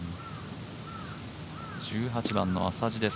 １８番の浅地です